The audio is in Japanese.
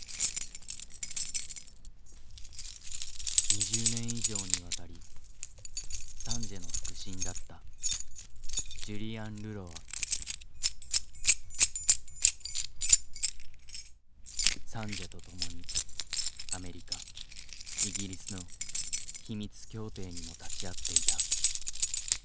２０年以上にわたりサンジエの腹心だったサンジエと共にアメリカイギリスの秘密協定にも立ち会っていた。